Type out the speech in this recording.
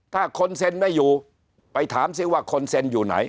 ถ้าคนเซ็นไม่อยู่ไปถามซิว่าคนเซ็นอยู่ไหน